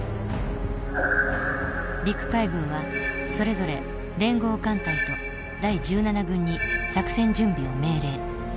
陸海軍はそれぞれ連合艦隊と第１７軍に作戦準備を命令。